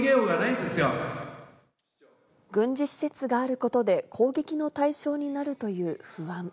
軍事施設があることで、攻撃の対象になるという不安。